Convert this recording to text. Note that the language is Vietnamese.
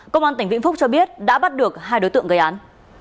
công an tỉnh vĩnh phúc cho biết đã bắt được hai đối tượng gây án